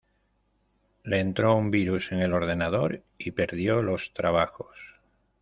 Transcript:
Le entró un virus en el ordenador y perdió los trabajos.